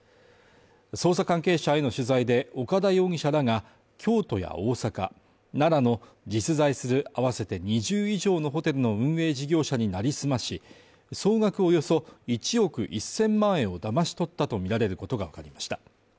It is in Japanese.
捜査関係者への取材で岡田容疑者らが、京都や大阪、奈良の実在する合わせて２０以上のホテルの運営事業者になりすまし、総額およそ１億１０００万円をだまし取ったとみられることがわかりました。